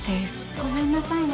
ごめんなさいね。